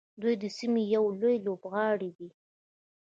دوی د سیمې یو لوی لوبغاړی دی.